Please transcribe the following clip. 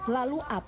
lalu apa sebenarnya